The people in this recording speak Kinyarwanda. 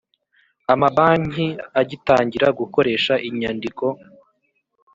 amabanki agitangira gukoresha inyandiko